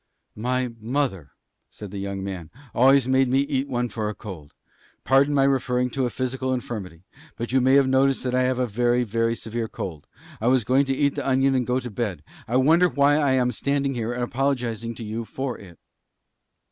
"My mother," said the young man, "always made me eat one for a cold. Pardon my referring to a physical infirmity; but you may have noticed that I have a very, very severe cold. I was going to eat the onion and go to bed. I wonder why I am standing here and apologizing to you for it."